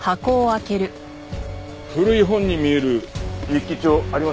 古い本に見える日記帳ありませんでした？